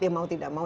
ya mau tidak mau